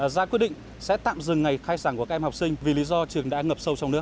ra quyết định sẽ tạm dừng ngày khai giảng của các em học sinh vì lý do trường đã ngập sâu trong nước